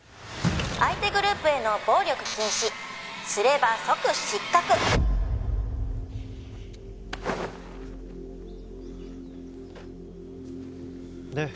「相手グループへの暴力禁止」「すれば即失格」で？